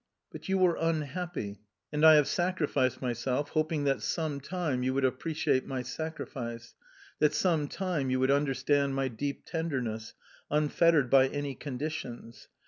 But you were unhappy, and I have sacrificed myself, hoping that, some time, you would appreciate my sacrifice, that some time you would understand my deep tenderness, unfettered by any conditions.